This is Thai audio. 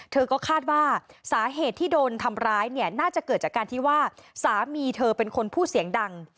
เธอก็คาดว่าสาเหตุที่โดนทำร้ายเนี่ยน่าจะเกิดจากการที่ว่าสามีเธอเป็นคนพูดเสียงดัง